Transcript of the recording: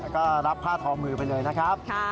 ก็รับผ้าทอมือไปเลยนะครับ